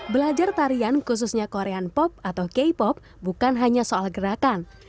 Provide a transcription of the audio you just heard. belajar tarian khususnya korean pop atau k pop bukan hanya soal gerakan